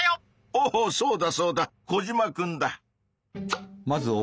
おおそうだそうだコジマくんだ。